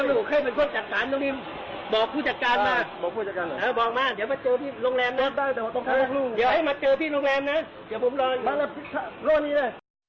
เดี๋ยวผมรอมาไมล่ะรถนี้นะ